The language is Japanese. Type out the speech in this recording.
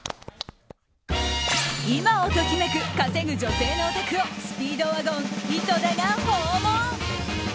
今を時めく稼ぐ女性のお宅をスピードワゴン井戸田が訪問。